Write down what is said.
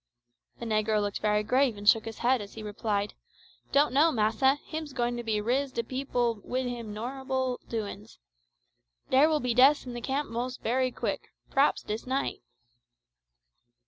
The negro looked very grave and shook his head as he replied, "Don' know, massa. Him's be goin' to rizz de peepil wid him norrible doin's. Dere will be death in the camp mos' bery quick p'raps dis night."